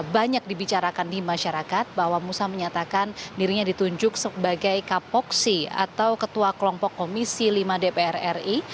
banyak dibicarakan di masyarakat bahwa musa menyatakan dirinya ditunjuk sebagai kapoksi atau ketua kelompok komisi lima dpr ri